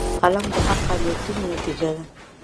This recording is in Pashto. قلم د حقه نیتونو نتیجه ده